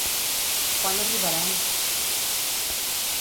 Quan arribarem?